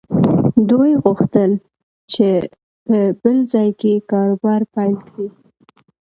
دوی غوښتل چې په بل ځای کې کاروبار پيل کړي.